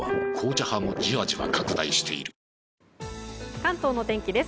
関東の天気です。